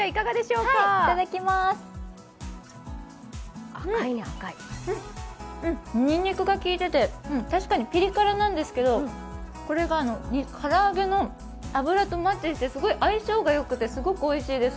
うん、ニンニクがきいてて確かにピリ辛なんですけど、これがから揚げの油とマッチしてすごい相性がよくて、すごくおいしいです。